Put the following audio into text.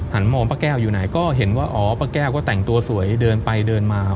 มองป้าแก้วอยู่ไหนก็เห็นว่าอ๋อป้าแก้วก็แต่งตัวสวยเดินไปเดินมา